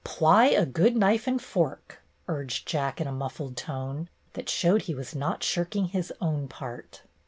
"Ply a good knife and fork!" urged Jack in a muffled tone, that showed that he was not shirking his own part.